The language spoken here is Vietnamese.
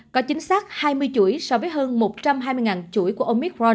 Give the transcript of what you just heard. có chính xác hai mươi chuỗi so với hồi nãy